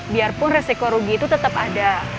biarpun resiko rugi itu tetap ada